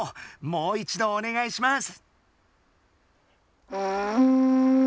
もう一度おねがいします。